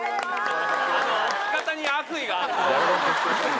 あの置き方に悪意があるだろ！